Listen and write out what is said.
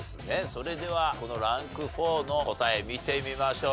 それではこのランク４の答え見てみましょう。